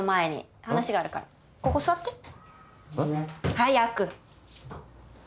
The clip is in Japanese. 早く。